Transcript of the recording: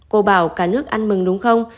cô bảo cả nước ăn mừng đúng không